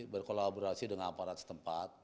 berkolaborasi dengan aparat setempat